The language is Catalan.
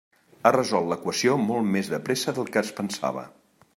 Ha resolt l'equació molt més de pressa del que es pensava.